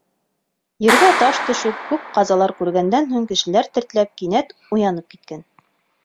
Ергә таш төшөп, күп ҡазалар күргәндән һуң, кешеләр тертләп, кинәт уянып киткән.